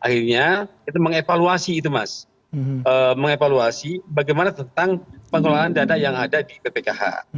akhirnya kita mengevaluasi itu mas mengevaluasi bagaimana tentang pengelolaan dana yang ada di bpkh